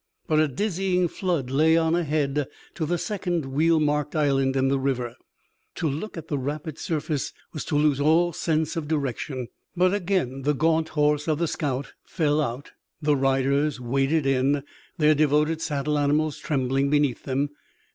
But a dizzying flood lay on ahead to the second wheel marked island in the river. To look at the rapid surface was to lose all sense of direction. But again the gaunt horse of the scout fell out, the riders waded in, their devoted saddle animals trembling beneath them.